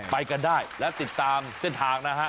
ไปกันได้และติดตามเส้นทางนะฮะ